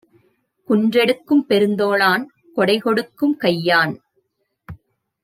குன்றெடுக்கும் பெருந்தோளான் கொடைகொடுக்கும் கையான்!